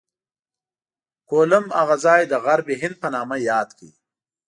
کولمب هغه ځای د غرب هند په نامه یاد کړ.